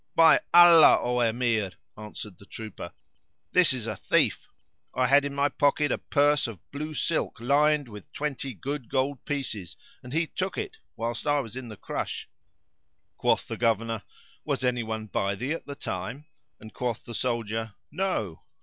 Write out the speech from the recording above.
"By Allah! O Emir," answered the trooper, "this is a thief! I had in my pocket a purse of blue silk lined with twenty good gold pieces and he took it, whilst I was in the crush." Quoth the Governor, "Was any one by thee at the time?"; and quoth the soldier, "No."